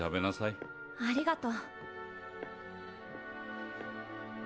ありがと。